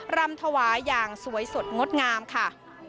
รำถวายอย่างสวยสดงดงามค่ะ